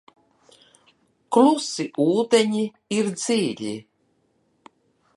Klusi ūdeņi ir dziļi.